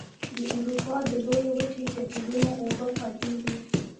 د اروپا د لویې وچې جهیلونو اوبه خوږې دي.